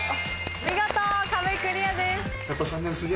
見事壁クリアです。